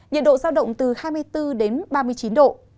nhiệt độ giao động từ hai mươi bốn đến ba mươi chín độ